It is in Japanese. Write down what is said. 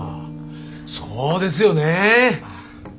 そうですよね。